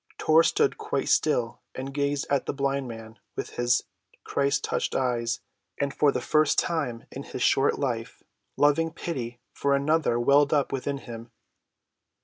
Tor stood quite still and gazed at the blind man with his Christ‐ touched eyes, and for the first time in his short life, loving pity for another welled up within him.